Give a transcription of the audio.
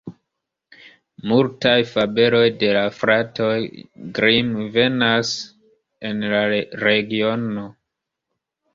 Multaj fabeloj de la fratoj Grimm venas el la regiono.